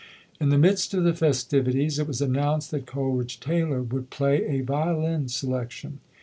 In the midst of the festivities, it was announced that Coleridge Taylor would play a violin selection.